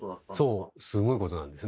そうすごいことなんですね。